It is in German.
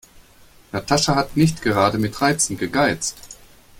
Natascha hat nicht gerade mit Reizen gegeizt.